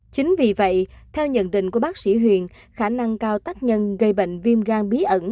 chính vì vậy theo nhận định của bác sĩ huyền khả năng cao tác nhân gây bệnh viêm gan bí ẩn